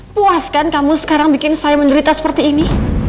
puaskan kamu sekarang bikin saya menderita seperti ini